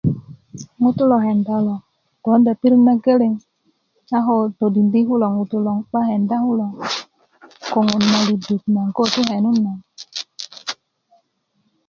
ŋutu lo kenda kulo ponda pirit nageleŋ a ko todinidi kulo ŋutu loŋ 'ba kenda kulo koŋön na luduk naŋ ko ti kenun na